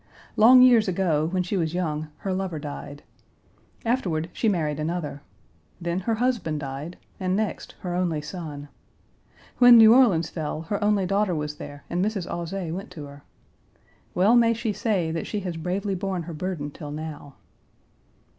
Long years ago, when she was young, her lover died. Afterward, she married another. Then her husband died, and next her only son. When New Orleans fell, her only daughter was there and Mrs. Auzé went to her. Well may she say that she has bravely borne her burden till now.